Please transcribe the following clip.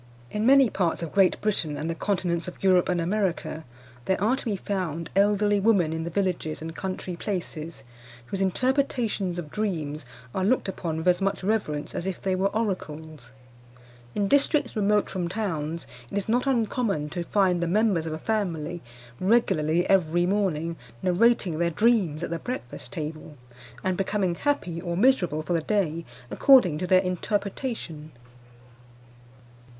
In many parts of Great Britain, and the continents of Europe and America, there are to be found elderly women in the villages and country places whose interpretations of dreams are looked upon with as much reverence as if they were oracles. In districts remote from towns it is not uncommon to find the members of a family regularly every morning narrating their dreams at the breakfast table, and becoming happy or miserable for the day according to their interpretation.